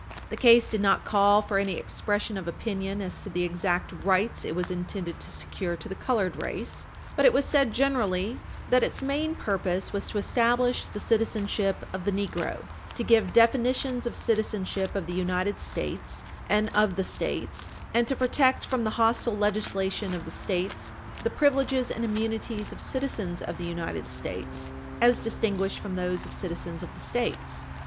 The case did not call for any expression of opinion as to the exact rights it was intended to secure to the colored race, but it was said generally that its main purpose was to establish the citizenship of the negro, to give definitions of citizenship of the United States and of the States, and to protect from the hostile legislation of the States the privileges and immunities of citizens of the United States, as distinguished from those of citizens of the States.